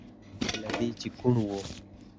زما کشر زوی سره له دې چې کوڼ و.